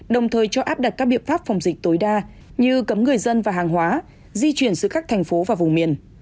đồng thời cho áp đặt các biện pháp phòng dịch tối đa như cấm người dân và hàng hóa di chuyển giữa các thành phố và vùng miền